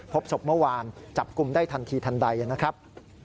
พบศพเมื่อวานจับกลุ่มได้ทันทีทันใดนะครับ